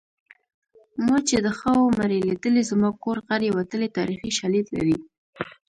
ما چې د خاوو مړي لیدلي زما کور غړي وتلي تاریخي شالید لري